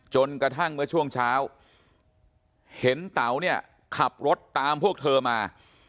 จนกระทั่งเมื่อช่วงเช้าเห็นเต๋าเนี่ยขับรถตามพวกเธอมา